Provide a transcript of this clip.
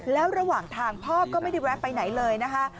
แล้วระหว่างทางพ่อก็ไม่ได้แวะไปไหนเลยนะคะ